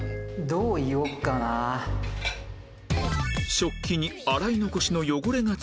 食器に洗い残しの汚れが付いている